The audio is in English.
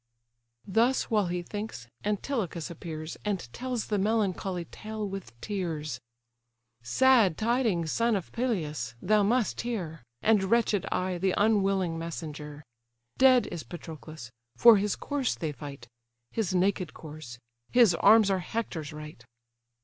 Thus while he thinks, Antilochus appears, And tells the melancholy tale with tears. "Sad tidings, son of Peleus! thou must hear; And wretched I, the unwilling messenger! Dead is Patroclus! For his corse they fight; His naked corse: his arms are Hector's right."